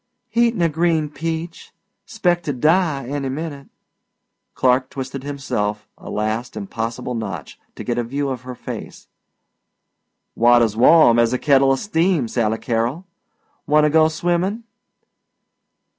"Eatin' a green peach. 'Spect to die any minute." Clark twisted himself a last impossible notch to get a view of her face. "Water's warm as a kettla steam, Sally Carol. Wanta go swimmin'?"